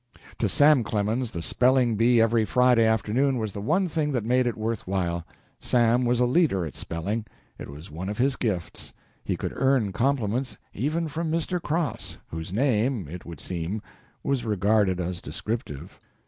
To Sam Clemens, the spelling bee every Friday afternoon was the one thing that made it worth while. Sam was a leader at spelling it was one of his gifts he could earn compliments even from Mr. Cross, whose name, it would seem, was regarded as descriptive.